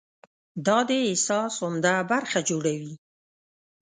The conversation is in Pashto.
دا د احساس عمده برخه جوړوي.